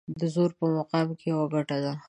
د زور په مقام کې يوه ګټه ده.